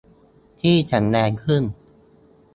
ที่แข็งแรงขึ้น